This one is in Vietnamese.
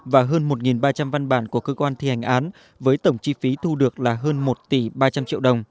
và hơn một ba trăm linh văn bản của cơ quan thi hành án với tổng chi phí thu được là hơn một tỷ ba trăm linh triệu đồng